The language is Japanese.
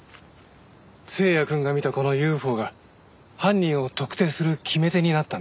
星也くんが見たこのＵＦＯが犯人を特定する決め手になったんです。